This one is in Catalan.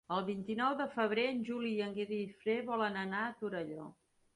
El vint-i-nou de febrer en Juli i en Guifré volen anar a Torelló.